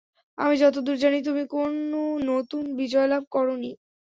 আমি যতদূর জানি, তুমি কোন নতুন বিজয়লাভ করনি।